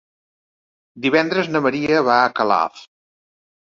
Divendres na Maria va a Calaf.